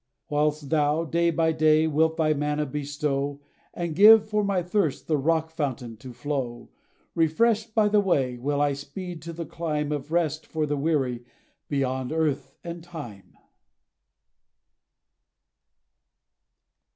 Whilst thou, day by day, wilt thy manna bestow, And give, for my thirst, the Rock fountain to flow, Refreshed by the way, will I speed to the clime Of rest for the weary, beyond earth and time.